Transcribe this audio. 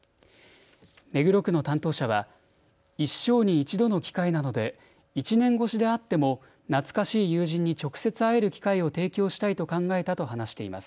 目黒区の担当者は一生に１度の機会なので１年越しであっても懐かしい友人に直接会える機会を提供したいと考えたと話しています。